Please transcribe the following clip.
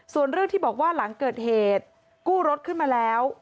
ส่วนเรื่องที่บอกว่าหลังเกิดเหตุกู้รถขึ้นมาแล้ว